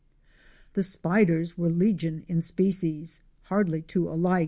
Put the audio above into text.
The spiders were legion in species, hardly two alike, Fic.